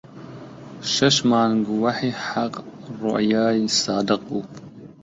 شەش مانگ وەحی حەق ڕوئیای سادق بوو